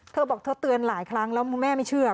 เธอบอกเธอเตือนหลายครั้งแล้วแม่ไม่เชื่อ